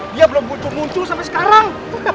dia belum muncul muncul sampai sekarang